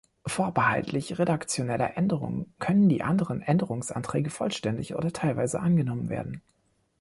Vorbehaltlich redaktioneller Änderungen können die anderen Änderungsanträge vollständig oder teilweise angenommen werden.